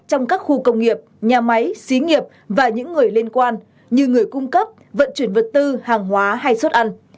trong các khu công nghiệp nhà máy xí nghiệp và những người liên quan như người cung cấp vận chuyển vật tư hàng hóa hay suất ăn